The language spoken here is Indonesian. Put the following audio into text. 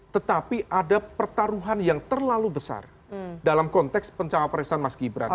tetapi ada pertaruhan yang terlalu besar dalam konteks pencawa presiden mas gibran